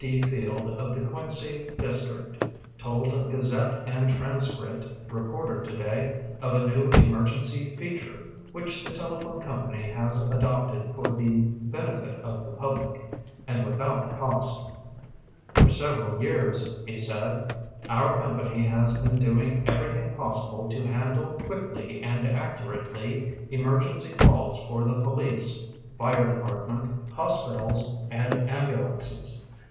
D Field of the Quincy dis trict told a Gazette and Transcript repor ter today of a new emergency feature which tbe telephone company has adopted for the benefit of the public, and witbont coat. pany has been doing everything possible to handle quickly aud accurately emer gency calls for the police, tire department hospitals and ambulances.